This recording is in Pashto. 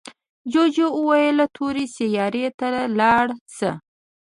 جوجو وویل تورې سیارې ته لاړ شه.